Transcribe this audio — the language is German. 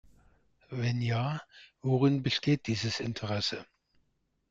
Wenn ja, worin besteht dieses Interesse?